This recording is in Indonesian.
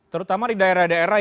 terutama di daerah daerah